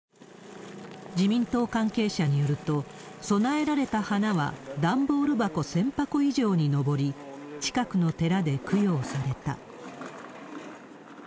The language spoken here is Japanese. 自民党関係者によると、供えられた花は段ボール箱１０００箱以上に上り、近くの寺で供養された。